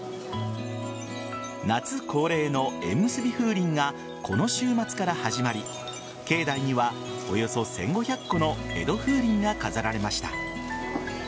夏恒例の縁むすび風鈴がこの週末から始まり境内にはおよそ１５００個の江戸風鈴が飾られました。